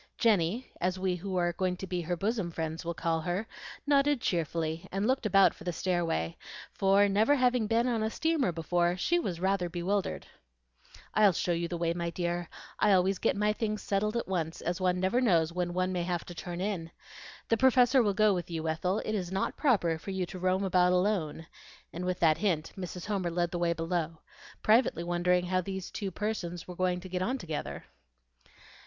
Jenny, as we who are going to be her bosom friends will call her, nodded cheerfully, and looked about for the stairway; for, never having been on a steamer before, she was rather bewildered. "I'll show you the way, my dear. I always get my things settled at once, as one never knows when one may have to turn in. The Professor will go with you, Ethel; it is not proper for you to roam about alone;" and with that hint Mrs. Homer led the way below, privately wondering how these young persons were going to get on together.